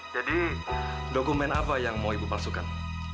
jadi dokumen apa yang mau ibu palsukan